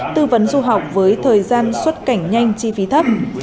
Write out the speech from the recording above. tư vấn du học với thời gian xuất cảnh nhanh chi phí thấp